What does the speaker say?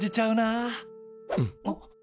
あっ。